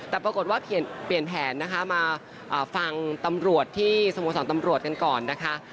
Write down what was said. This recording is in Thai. แต่ปรากฏว่าเปลี่ยนแผนมาฟังสมสรรค์ตำรวจกันก่อนนะคะ